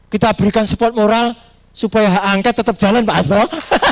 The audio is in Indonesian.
kita berikan support moral supaya hhk tetap jalan pak astor